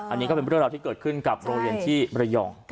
อันนี้ก็เป็นเรื่องราวที่เกิดขึ้นกับโรงเรียนที่มรยอง